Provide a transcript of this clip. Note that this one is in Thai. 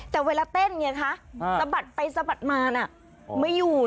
แต่เวลาแต้นตะบัดไปตะบัดมาไม่อยู่